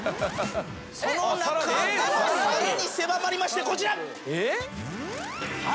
その中でもさらに狭まりましてこちら！